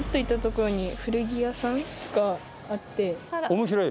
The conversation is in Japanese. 面白い？